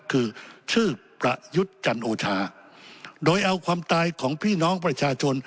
คือชื่อประยุทธ์จันโอชาโดยเอาความตายของพี่น้องประชาชน